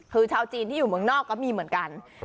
คือชาวจีนที่อยู่เมืองนอกก็มีเหมือนกัน